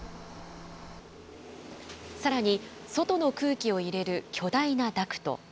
さらに、外の空気を入れる巨大なダクト。